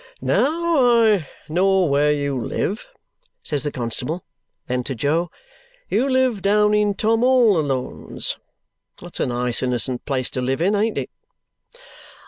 "Now, I know where you live," says the constable, then, to Jo. "You live down in Tom all Alone's. That's a nice innocent place to live in, ain't it?"